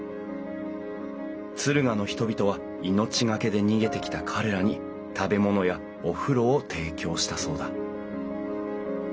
敦賀の人々は命懸けで逃げてきた彼らに食べ物やお風呂を提供したそうだ